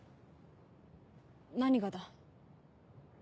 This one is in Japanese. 何がだ？